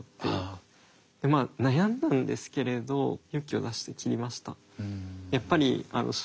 でまあ悩んだんですけれど勇気を出して切りました。